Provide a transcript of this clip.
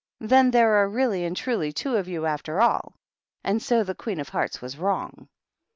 " Then there are really and truly two of you after all. And so the Queen of Hearts was wrong?"